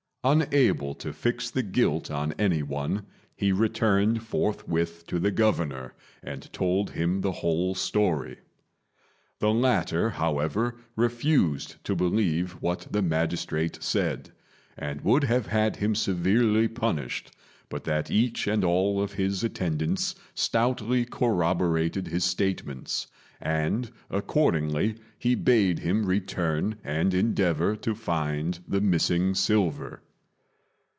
Unable to fix the guilt on any one, he returned forthwith to the Governor and told him the whole story. The latter, however, refused to believe what the magistrate said, and would have had him severely punished, but that each and all of his attendants stoutly corroborated his statements; and accordingly he bade him return and endeavour to find the missing silver.